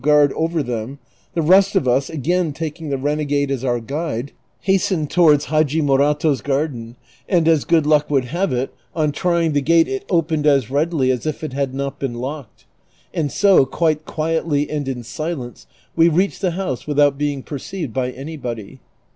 guard over them, the rest of us, again taking the renegade as our guide, hastened towards Hadji JNIorato's garden, and as good luck would have it, on trying the gate it opened as readily as if it had not been locked ; and so, quite quietly and in silence, we reached the house without being perceived by anybody.